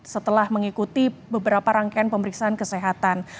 setelah mengikuti beberapa rangkaian pemeriksaan kesehatan